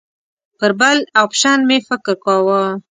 پر بل اپشن مې فکر کاوه.